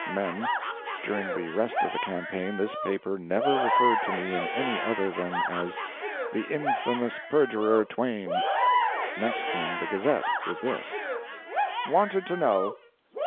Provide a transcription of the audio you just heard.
[Mem.—During the rest of the campaign this paper never referred to me in any other way than as "the infamous perjurer Twain."] Next came the "Gazette," with this: WANTED TO KNOW.